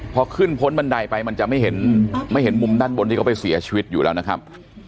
พอขึ้นพ้นบันไดไปมันจะไม่เห็นไม่เห็นมุมด้านบนที่เขาไปเสียชีวิตอยู่แล้วนะครับ